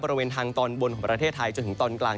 บริเวณทางตอนบนของประเทศไทยจนถึงตอนกลาง